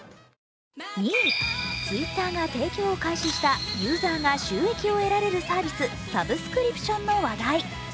２位、Ｔｗｉｔｔｅｒが提供を開始したユーザーが収益を獲られるサービス、サブスクリプションの話題。